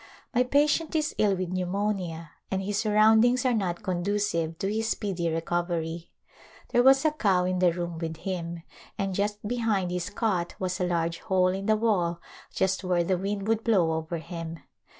My patient is ill with pneumonia and his surroundings are not conducive to his speedy recovery. There was a cow in the room with him, and just behind his cot was a large hole in the wall just where the wind would blow over him.